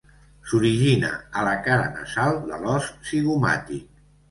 S'origina a la cara nasal de l'os zigomàtic.